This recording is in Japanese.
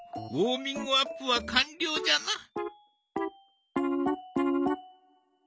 ウォーミングアップは完了じゃな。